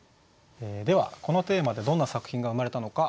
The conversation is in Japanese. ではこのテーマでどんな作品が生まれたのか。